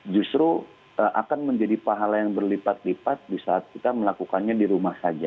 justru akan menjadi pahala yang berlipat lipat di saat kita melakukannya di rumah saja